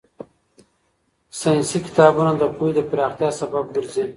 ساينسي کتابونه د پوهې د پراختیا سبب ګرځي.